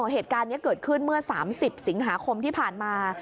เหตุการณ์นี้เกิดขึ้นเมื่อ๓๐สิงหาคมที่ผ่านมา